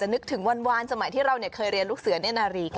จะนึกถึงวันสมัยที่เราเนี่ยเคยเรียนลูกเสือในนาฬีกัน